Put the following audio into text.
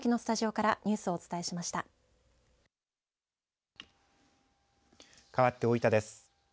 かわって大分です。